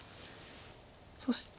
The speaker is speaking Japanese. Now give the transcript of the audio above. そして。